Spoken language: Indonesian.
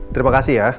terima kasih ya